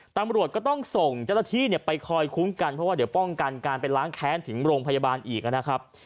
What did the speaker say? ตำรวจก็ต้องส่งเจ้าหน้าที่ไปคอยคุ้มกันเพราะว่าเดี๋ยวป้องกันการไปล้างแค้นถึงโรงพยาบาลอีกนะครับ